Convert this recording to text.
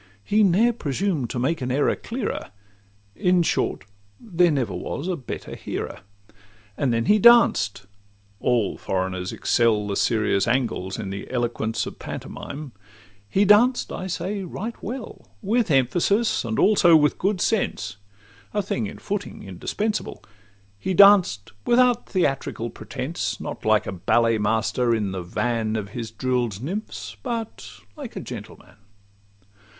He ne'er presumed to make an error clearer;— In short, there never was a better hearer. And then he danced;—all foreigners excel The serious Angles in the eloquence Of pantomime;—he danced, I say, right well, With emphasis, and also with good sense— A thing in footing indispensable; He danced without theatrical pretence, Not like a ballet master in the van Of his drill'd nymphs, but like a gentleman.